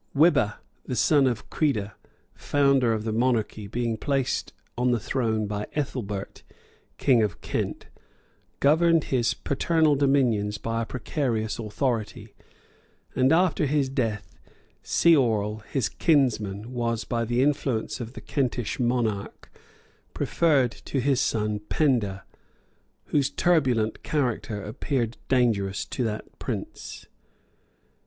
Wibba, the son of Crida, founder of the monarchy, being placed on the throne by Ethelbert, king of Kent, governed his paternal dominions by a precarious authority; and after his death, Ceorl, his kinsman, was, by the influence of the Kentish monarch, preferred to his son Penda, whose turbulent character appeared dangerous to that prince.